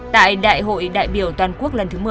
tại đại hội đại biểu toàn quốc lần thứ một mươi